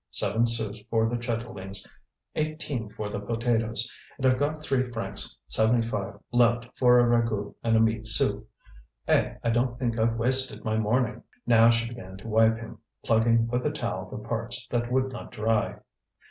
Seven sous for the chitterlings, eighteen for the potatoes, and I've got three francs seventy five left for a ragout and a meat soup. Eh, I don't think I've wasted my morning!" Now she began to wipe him, plugging with a towel the parts that would not dry.